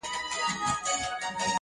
o چي د ژوند د رنګینیو سر اغاز دی,